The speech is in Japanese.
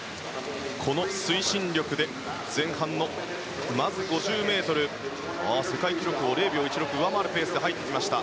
この推進力で前半の５０ｍ世界記録を０秒１６上回るペースで入ってきた。